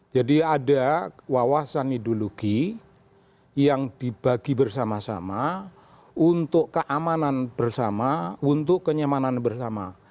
jadi ada wawasan ideologi yang dibagi bersama sama untuk keamanan bersama untuk kenyamanan bersama